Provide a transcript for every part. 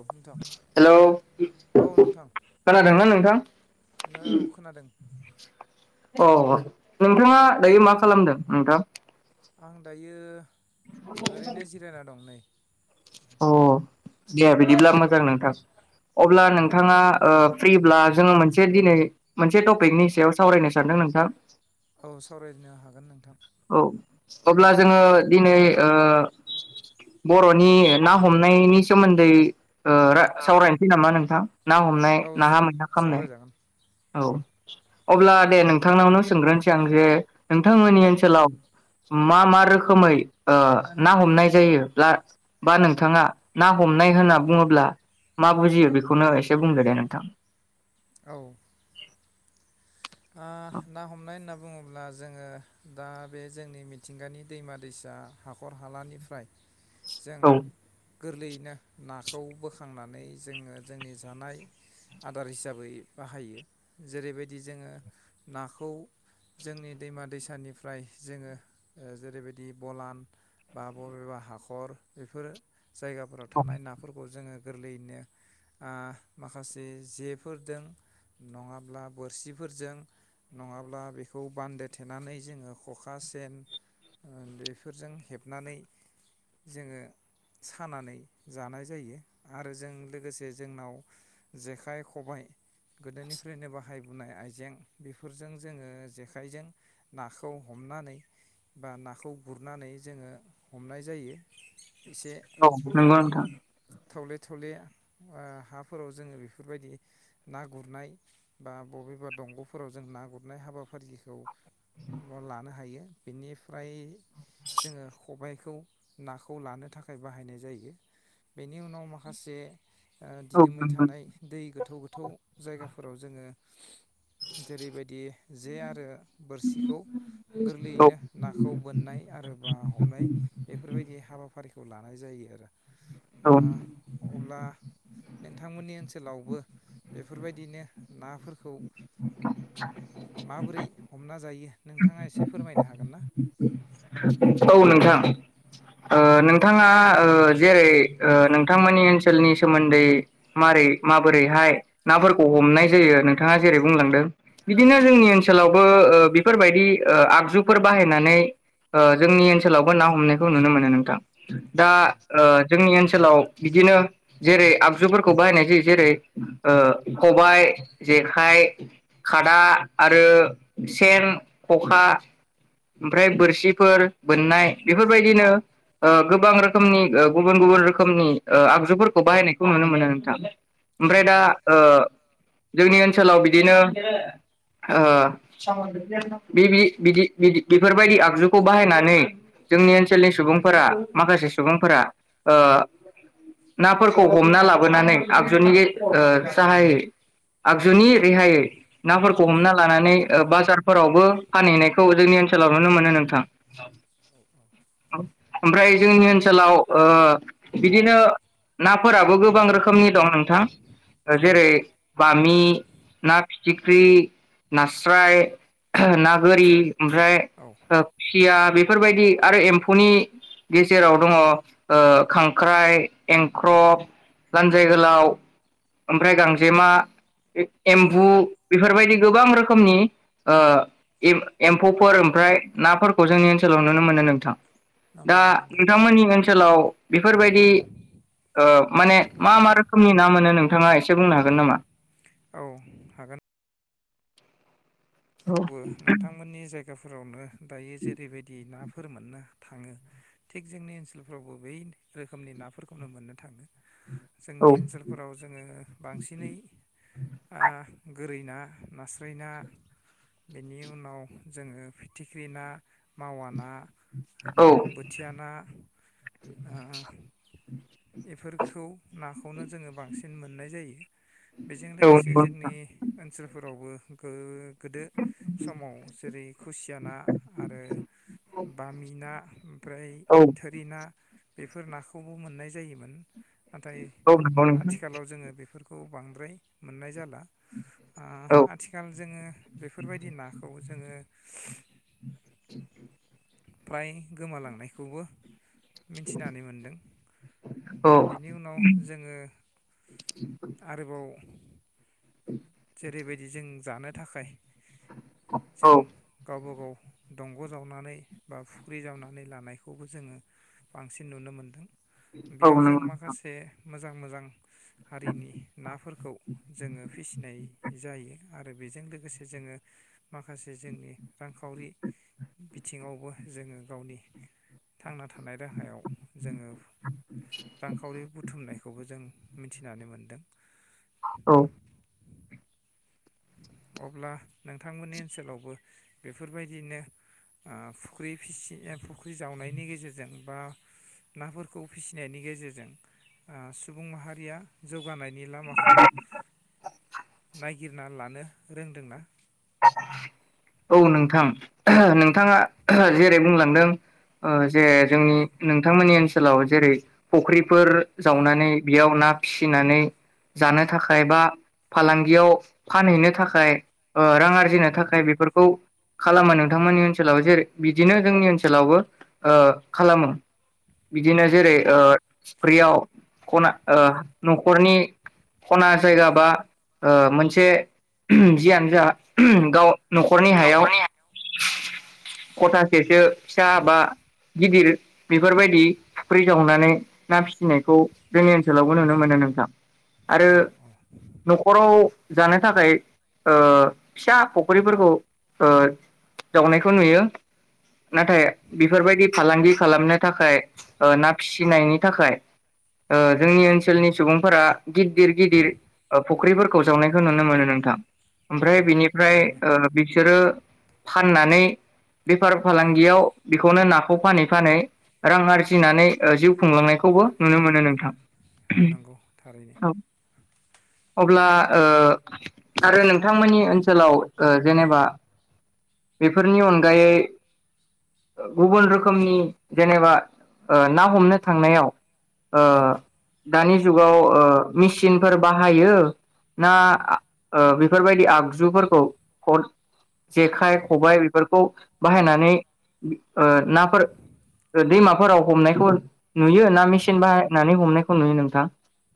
औ नोंथां हेलौ औ नोंथां खोनादोंना नोंथां? औ खोनादों अ नोंथाङा दायो मा खालामदों नोंथां? आं दायो ओरैनो जिरायना दं नै। अ दे बिदिब्ला मोजां नोंथां अब्ला नोंथाङा ओ फ्रिब्ला जोङो मोनसे दिनै मोनसे टपिकनि सायाव सावरायनो सानदों नोंथां। औ सावरायनो हागोन नों औ अब्ला जोङो दिनै ओ बर'नि ना हमनायनि सोमोन्दै ओ रा सावरायनोसै नामा नोंथां? ना हमनाय औ नाहा मैहा खामनाय। सावरायजागोन औ अब्ला दे नोंथांनावनो सोंग्रोनोसै आं जे औ नोंथांमोननि ओनसो लाव मा मा रोखोमै ओ ना हमनाय जायो बा नोंथाङा ना हमनाय होनना बुङोब्ला मा बुजियो बेखौनो एसे बुंदो दे नोंथां औ ओ ना हमनाय होनना बुङोब्ला जोङो दा बे जोंनि मिथिंगानि दैमा दैसा हाखर हालानिफ्राय जों औ गोरलैयैनो नाखौ बोखांनानै जोङो जोंनि जानाय आदार हिसाबै बाहायो जेरैबायदि जोङो नाखौ जोंनि दैमा दैसानिफ्राय जोङो ओ जेरैबायदि बलान बा बबेबा हाखर बेफोरो जायगाफोराव औ थानाय नाफोरखौ जोङो गोरलैयैनो ओ माखासे जेफोरदों नङाब्ला बोरसिफोरजों नङाब्ला बेखौ बान्दो थेनानै जोङो खखा सेन बेफोरजों हेबनानै जोङो सानानै जानाय जायो आरो जों लोगोसे जोंनाव जेखाइ खबाइ गोदोनिफ्रायनो बाहायबोनाय आइजें बेफोरजों जोङो जेखाइजों नाखौ हमनानै बा नाखौ गुरनानै जोङो हमनाय जायो। एसे औ नंगौ नोंथां थौले थौले ओ हाफोराव जोङो बेफोरबायदि ना गुरनाय बा बबेबा दंग' फोराव जों ना गुरनाय हाबाफारिखौ लानो हायो। बिनिफ्राय जोङो खबायखौ नाखौ लानो थाखाय बाहायनाय जायो। बेनि उनाव माखासे ओ औ दिदोमै नंगौ थानाय दै गोथौ गोथौ जायगाफोराव जोङो जेरैबायदि जे आरो बोरसिखौ औ गोरलैयैनो नाखौ बोननाय आरो बा हमनाय बेफोरबायदि हाबाफारिखौ लानाय जायो आरो आ औ अब्ला नोंथांमोननि ओनसो ओनसोलावबो बेफोरबायदिनो नाफोरखौ माबोरै हमना जायो नोंथाङा एसे फोरमायनो हागोन ना। औ नोंथां ओ नोंथाङा जेरै नोंथांमोननि ओनसोलनि सोमोन्दै मारै माबोरैहाय नाफोरखौ हमनाय जायो नोंथाङा जेरै बुंलांदों बिदिनो जोंनि ओनसोलावबो बेफोरबायदि आगजुफोर बाहायनानै ओ जोंनि ओनसोलावबो ना हमनायखौ नुनो मोनो नोंथां औ दा ओ जोंनि ओनसो लाव बिदिनो जेरै आगजुफोरखौ बाहायनाय जायो जेरै ओ खबाइ जेखाइ खादा आरो सेन खखा ओमफ्राय बोरसि फोर बोननाय बेफोरबायदिनो गोबां रोखोमनि गुबुन गुबुन रोखोमनि आगजुफोरखौ बाहायनायखौ नुनो मोनो नोंथां औ ओमफ्राय दा ओ जोंनि ओनसोलाव बिदिनो ओ बिदि बिदि बेफोरबायदि आगजु खौ बाहायनानै जोंनि ओनसोलनि सुबुंफोरा माखासे सुबुंफोरा ओ नाफोरखौ हमना लाबोनानै आगजुनि साहायै आगजुनि रेहायै नाफोरखौ हमना लानानै बाजारफोरावबो फानहैनायखौ जोंनि ओनसोलाव नुनो मोनो नोंथां [unintelligible] ओमफ्राय जोंनि ओनसोलाव ओ बिदिनो नाफोराबो गोबां रोखोमनि दं नोंथां। ओ औ जेरै बामि ना फिथिख्रि, नास्राय, [unintelligible] ना गोरि ओमफ्राय औ ओ खुसिया बेफोरबायदि आरो एम एम्फौनि गेजेराव दङ ओ खांख्राइ, एंख्रब, लानजाय गोलाव ओमफ्राय गांजेमा। औ एम्बु बेफोरबायदि। गोबां रोखोमनि ओ एम एम्फौफोर ओमफ्राय नाफोरखौ जोंनि ओनसोलाव नुनो मोनो नोंथां। दा नंगौ नंगौ नोंथांमोननि ओनसोलाव बेफोरबायदि ओ माने मा मा रोखोमनि ना मोनो नों थाङा एसे बुंनो हागोन नामा? औ हागोन। औ बो नोंथांमोननि जायगा जायगाफोरावनो दायो जेरैबायदि ना फोर मोननो थाङो थिग जोंनि ओनसोलफ्रावबो बै रोखोमनि नाफोरखौनो मोननो थाङो। औ जोंनि ओनसोलफोराव जोङो बांसिनै आ गोरै ना नास्राय ना। बेनि उनाव जोङो फिथिख्रि ना, मावा ना, औ बोथिया ना ओ बेफोरखौ नाखौनो जोङो बांसिन मोननाय जायो। बेजों लोगोसे नंगौ जोंनि नोंथां ओनसोलफोरावबो गो गो समाव जेरै खुसिया ना आरो बामि ना ओमफ्राय औ थोरि ना बेफोर नाखौबो मोननाय जायोमोन। नाथाय औ नंगौ नोंथां आथिखालाव जोङो बेफोरखौ। खौ बांद्राय मोननाय जाला। आ औ आथिखाल जोङो बेफोरबायदि नाखौ जोङो ओ [unintelligible] फ्राय गोमालांनायखौबो मिथिनानै मोनदों। औ बिनि उनाव जोङो आरोबाव ओरैबायदि जों जानो थाखाय जों औ गावबा गाव दंग' जावनानै बा फुख्रि जावनानै लानायखौबो जोङो बांसिन नुनो मोनदों। औ बेयाव जों नंगौ नोंथां माखासे मोजां मोजां। हारिनि नाफोरखौ जोङो। जायो आरो बेजों लोगोसे जोङो माखासे जोंनि रांखावरि बिथिङावबो जोङो गावनि थांनानै। थानाय राहायाव जोङो रांखावरि बुथुमनायखौबो जों मिथिनानै मोनदों। औ। अब्ला नोंथांमोननि ओनसोलावबो बेफोरबायदिनो फुख्रि फि फुख्रि जावनायनि गेजेरजों बा नाफोरखौ फिसिनायनि गेजेरजों सुबुं माहारिया जौगानाय। [inaudible] ना लानो रोंदोंना? औ नोंथां नोंथाङा जेरै बुंलांदों जे जोंनि नोंथांमोननि ओनसोलाव जेरै फुख्रिफोर जावनानै बेयाव ना फिसिनानै जानो थाखाय बा फालांगियाव फानहैनो थाखाय। रां आरजिनो थाखाय बेफोरखौ, खालामो नोंथांमोननि ओनसोलाव जेरै बिदिनो जोंनि ओनसोलावबो खालामो। बिदिनो औ जेरै‌ अ फ्रियाव ख न'खरनि खना जायगा बा अ मोनसे जिय जा गाव न'खरनि हायाव खथा सेरसो फिसा बा गिदिर बेफोरबायदि फुख्रि जावनानै ना फिसिनायखौ जोंनि ओनसोलावबो नुनो मोनो नोंथां। आरो औ औ न'खराव। जानो थाखाय अ फिसा फख्रिफोरखौ, अ जावनायखौ नुयो नाथाय बेफोरबायदि फालांगि खालामनो थाखाय, अ ना फिसिनायनि थाखाय जोंनि ओनसोलनि सुबुंफोरा गिदिर गिदिर फुख्रिफोरखौ जावनायखौ नुनो मोनो नोंथां। ओमफ्राय नंगौ बिनिफ्राय थारैनो बिसोरो। फाननानै बेफार फालांगियाव बेखौनो नाखौ फानै फानै रां आरजिनानै जिउ खुंलांनायखौबो नुनो मोनो नोंथां। नांगौ थारैनो। अ। बिथांमोननि ओनसोलाव जेनेबा बेफोरनि अनगायै गुबुन रोखोमनि जेनेबा ना हमनो थांनायाव। ओ। औ दानि जुगाव ओ मिसिनफोर बाहायो ना आ ओ बे फोरबायदि आगजुफोरखौ खर जेखाइ खबायाइ बेफोरखौ बाहायनानै, ओ नाफोर ओ दैमाफोराव हमनायखौ नुयो ना मेसिन बाहायनानै हमनायखौ नुयो नोंथां।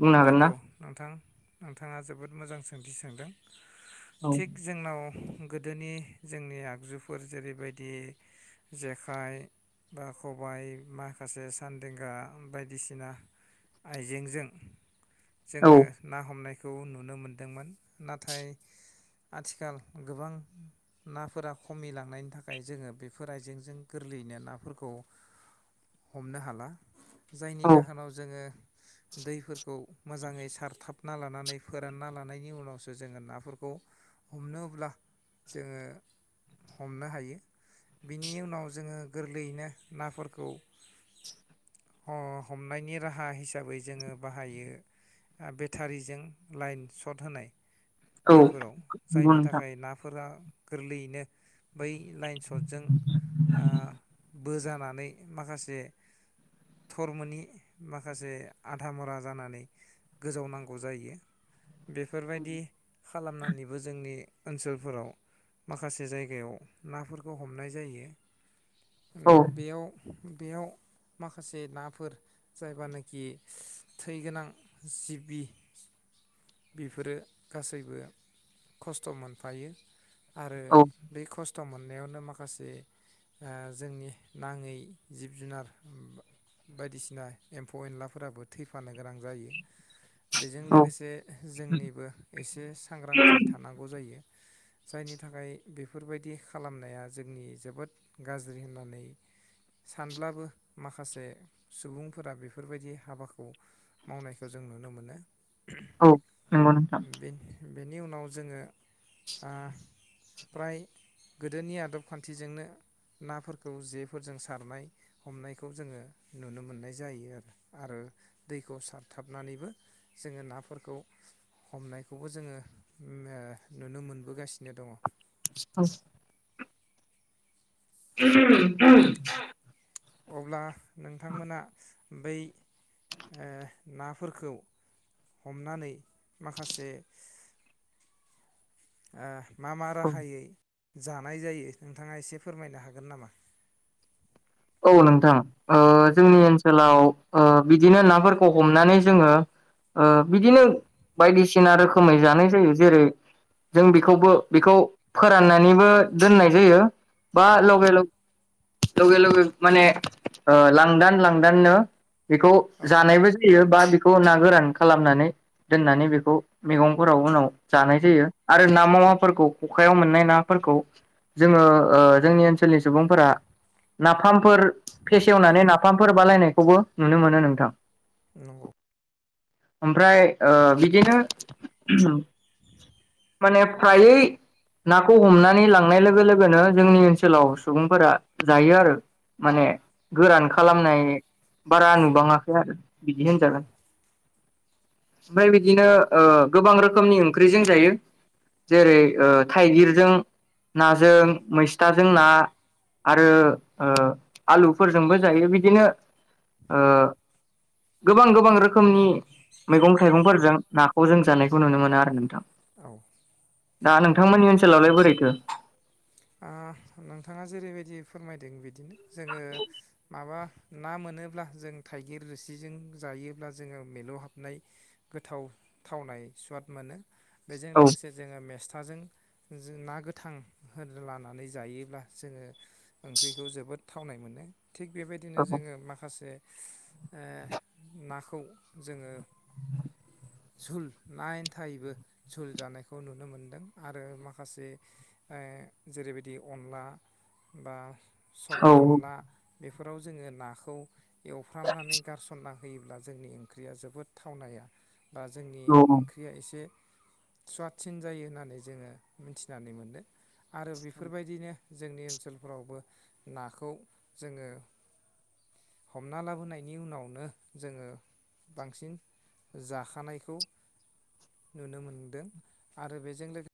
बुंनो हागोन ना? नोंगौ नोंथां नोंथाङा जोबोद मोजां सोंथि सोंदों। औ थिग जोंनाव गो दोनि जोंनि आगजुफोर जेरैबायदि जेखाइ बा खबाइ माखासे सानदेंगा बायदिसिना आइजेंजों। औ जोङो ना हमनाय खौ नुनो मोनदोंमोन नाथाय आथिखाल गोबां नाफोरा खमि लांनायनि थाखाय जोङो बेफोर आइजेंजों गोरलैयैनो नाफोरखौ हमनो हाला। जायनि जाहोनाव जोङो। दैफोरखौ मोजाङै सारथाबना लानानै फोरानना लानायनि उनावसो जोङो नाफोरखौ हमनोब्ला जोङो हमनो हायो बिनि उनाव जोङो गोरलैयैनो नाफोरखौ ह हमनायनि राहा हिसाबै जोङो बाहायो ओ बेटारिजों लाइन स‌'ट होनाय औ दैफोराव नंगौ जायनि नोंथां थाखाय नाफोरा गोरलैयैनो बै लाइन स'टजों ओ बो जानानै माखासे थरमोनि माखासे आधा मरा जानानै गोजावनांगौ जायो। बेफोरबायदि खालामनानैबो जोंनि ओनसोलफोराव माखासे जायगायाव नाफोरखौ हमनाय जायो। उम औ बेयाव बेयाव माखासे नाफोर जायबानाखि थैगोनां जिबि बेफोरो गासैबो खस्थ' मोनफायो आरो औ बे खस थ' मोननायावनो माखासे ओ जोंनि नाङै जिब जुनार बा बायदिसिना एम्फौ एनलाफोराबो थैफानो गोनां जायो। बेजों औ लोगोसे जोंनिबो एसे सांग्रांथि थानांगौ जायो। जायनि थाखाय बेफोरबायदि खालामनाया जोंनि जोबोद गाज्रि होननानै सानब्लाबो माखासे सुबुंफोरा बेफोरबायदि हाबाखौ मावनायखौ जों नुनो मोनो। औ नोंगौ नोंथां। बेनिउनाव जोङो ओ फ्राय गोदोनि आदब खान्थिजोंनो नाफोरखौ जेफोरजों सारनाय हमनायखौ जोङो नुनो मोननाय जायो आरो आरो दैखौ सारथाबनानैबो जोङो नाफोरखौ हमनायखौबो जोङो उम ओ नुनो मोनबोगासिनो दङ'। [unintelligible] [unintelligible] अब्ला नोंथांमोना बै ओ नाफोरखौ हमनानै माखासे ओ मा मा औ राहायै जानाय जायो नोंथाङा एसे फोरमायनो हागोन नामा? औ नोंथां ओ जोंनि ओनसोलाव ओ बिदिनो नाफोरखौ हमनानै जोङो ओ बिदिनो बायदिसिना रोखोमै जानाय जायो जेरै जों बेखौबो बेखौ फोराननानैबो दोननाय जायो बा औ लगे लग लगे लगे माने ओ लांदान लांदाननो बेखौ औ जानायबो जायो बा बेखौ ना गोरान खालामनानै दोननानै बेखौ मैगंफोराव उनाव जानाय जायो आरो ना मावाफोरखौ खखायाव मोननाय ना जोङो ओ जोंनि ओनसोलनि सुबुंफोरा नाफाम फोर फेसेवनानै नाफामफोर बानायनायखौबो नुनो मोनो नोंथां। नंगौ। ओमफ्राय ओ बिदिनो माने फ्रायै नाखौ हमनानै लांनाय लोगो लोगोनो जोंनि ओनसोलाव सुबुंफोरा जायो आरो माने गोरान औ खालामनाय बारा नु बाङाखै आरो। बिदि औ होनजागोन। ओमफ्राय बिदिनो गोबां रोखोमनि ओंख्रिजों जायो जेरै थाइगिरजों नाजों मै थाजों औ ना आरो ओ आलुफोरजोंबो जायो बिदिनो ओ गोबां गोबां रोखोमनि मैगं थाइगंफोरजों नाखौ जों जानायखौ नुनो मोनो आरो नोंथां। औ दा नोंथांमोननि ओनसोलावलाय बोरैथो? नोंथाङा जेरैबायदि फोरमायदों बिदिनो जोङो माबा ना मोनोब्ला जों थाइगिर रोसिजों जायोब्ला जोङो मिलौहाबनाय गोथाव थावनाय सुवाद मोनो। बेजों औ लोगोसे जोङो मेस थाजों ना गोथां फोर लानानै जायोब्ला जोङो ओंख्रिखौ जोबोद थावनाय मोनो। थिग बे बायदिनो औ जोङो माखासे ओ नाखौ जोङो जुल ना आनथाइबो जुल जानायखौ नुनो मोनगोन आरो माखासे जेरैबायदि अनला बा औ सबाय अनला बेफोराव जोङो नाखौ एवफ्रामनानै गारसनना होयोब्ला जोंनि ओंख्रिया जोबोद थावनाया ओ जोंनि औ ओंख्रिया एसे सुवादसिन जायो होननानै जोङो मिथिनानै मोनो। आरो बेफोर बायदिनो जोंनि ओनसोलफोरावबो नाखौ जोङो हमना लाबोनायनि उनावनो जोङो बांसिन जाखानायखौ नुनो मोनदों आरो बेजों लोगोसे